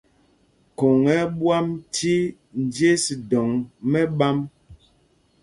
Khôŋ ɛ́ ɛ́ ɓwam cī njes dɔ̌ŋ mɛ̄ɓām.